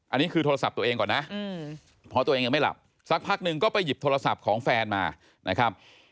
อันนี้คือโทรศัพท์ตัวเองก่อนนะเพราะตัวเองยังไม่หลับสักพักหนึ่งก็ไปหยิบโทรศัพท์ของแฟนมานะครับ